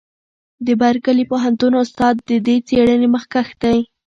د برکلي پوهنتون استاد د دې څېړنې مخکښ دی.